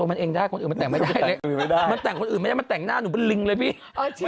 มันแต่งคนอื่นไม่ใช่มันแต่งหน้าหนูเป็นลิงเลยพี่